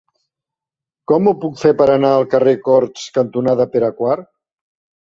Com ho puc fer per anar al carrer Corts cantonada Pere IV?